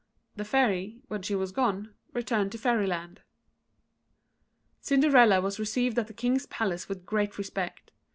The Fairy, when she was gone, returned to Fairyland. Cinderella was received at the King's palace with great respect.